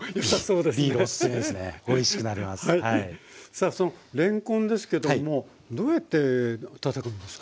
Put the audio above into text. さあそのれんこんですけどもどうやってたたくんですか？